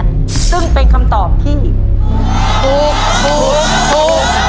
เมื่อแม่นางได้ออเดอร์เยอะ